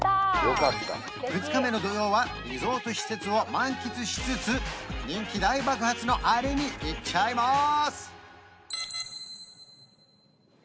２日目の土曜はリゾート施設を満喫しつつ人気大爆発のあれに行っちゃいます！